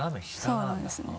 そうなんですね。